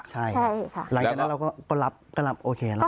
ใช่หลังจากนั้นเราก็รับโอเค